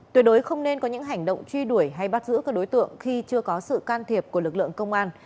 tuyệt đối không nên có những hành động truy đuổi hay bắt giữ các đối tượng khi chưa có sự can thiệp của lực lượng công an